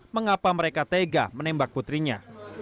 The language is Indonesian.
mengapa mereka tega menembak putrinya